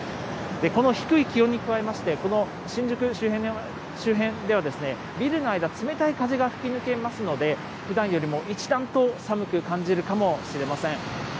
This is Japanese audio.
この低い気温に加えまして、この新宿周辺ではビルの間、冷たい風が吹き抜けますので、ふだんよりも一段と寒く感じるかもしれません。